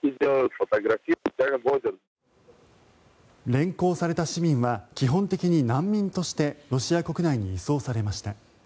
連行された市民は基本的に難民としてロシア国内に移送されました。